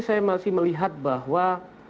saya masih melihat bahwa